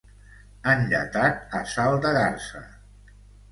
Enllatat a salt de garsa.